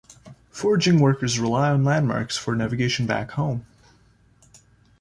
Foraging workers rely on landmarks for navigation back home.